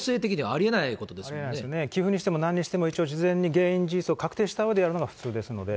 ありえないですね、寄付にしてもなんにしても、一応、原因事実を確定したうえでやるのが普通ですので。